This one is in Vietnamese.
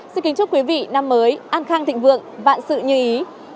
xin kính chúc quý vị năm mới an khang thịnh vượng vạn sự như ý